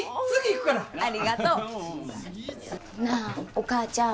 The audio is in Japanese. なあお母ちゃん。